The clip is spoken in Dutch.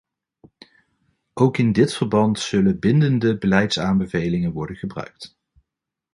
Ook in dit verband zullen bindende beleidsaanbevelingen worden gebruikt.